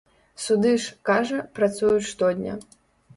Суды ж, кажа, працуюць штодня.